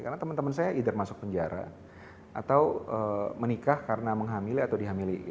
karena teman teman saya either masuk penjara atau menikah karena menghamili atau dihamili